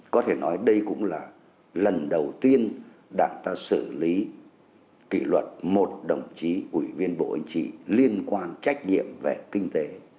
có thể nói đây cũng là lần đầu tiên đảng ta xử lý kỷ luật một đồng chí ủy viên bộ chính trị liên quan trách nhiệm về kinh tế